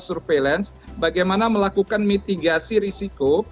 bagaimana melakukan surveillance bagaimana melakukan mitigasi risiko